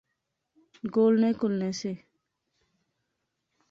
گولنے کہلنے سے